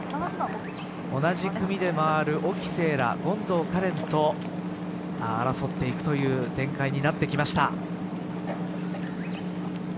同じ組で回る沖せいら権藤可恋と争っていくという展開になってきました。